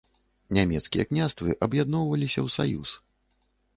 Нямецкія княствы аб'ядноўваліся ў саюз.